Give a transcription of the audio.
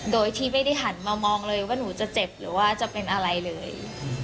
โดยที่ไม่ได้หันมามองเลยว่าหนูจะเจ็บหรือว่าจะเป็นอะไรเลย